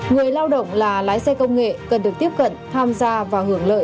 người lao động là lái xe công nghệ cần được tiếp cận tham gia và hưởng lợi